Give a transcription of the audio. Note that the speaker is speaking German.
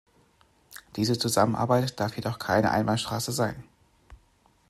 Diese Zusammenarbeit darf jedoch keine Einbahnstraße sein.